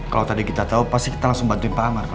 kalau tadi kita tahu pasti kita langsung bantuin pak amar